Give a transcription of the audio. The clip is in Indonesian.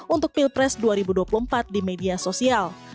untuk pilpres dua ribu dua puluh empat di media sosial